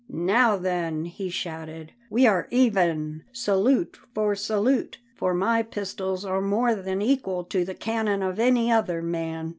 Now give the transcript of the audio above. "Now then," he shouted, "we are even, salute for salute, for my pistols are more than equal to the cannon of any other man.